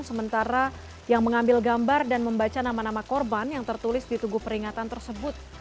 sementara yang mengambil gambar dan membaca nama nama korban yang tertulis di tugu peringatan tersebut